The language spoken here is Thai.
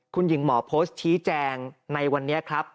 คุณหญิงหมอโพสต์ชี้แจงในวันนี้ครับ